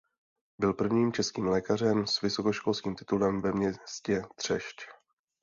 Byl prvním českým lékařem s vysokoškolským titulem ve městě Třešť.